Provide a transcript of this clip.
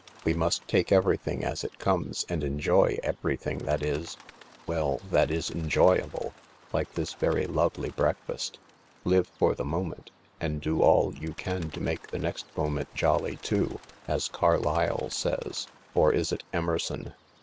We must take everything as it comes and enjoy everything that is— well, that is enjoyable ; like this very lovely breakfast. Live for the moment — and do all you can to make the next moment jolly too, as Carlyle says, or is it Emerson